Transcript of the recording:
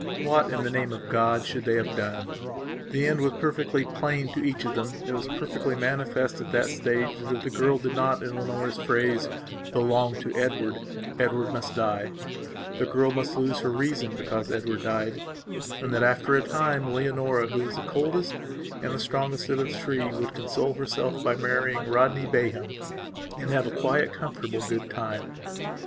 What, in the name of God, should they have done? The end was perfectly plain to each of themit was perfectly manifest at this stage that, if the girl did not, in Leonora's phrase, "belong to Edward," Edward must die, the girl must lose her reason because Edward diedand, that after a time, Leonora, who was the coldest and the strongest of the three, would console herself by marrying Rodney Bayham and have a quiet, comfortable, good time.